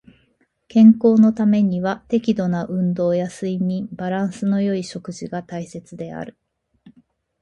健康のためには適度な運動や睡眠、バランスの良い食事が大切である。